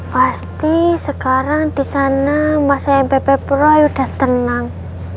pasti sekarang di sana masayang bebe broi sudah tenang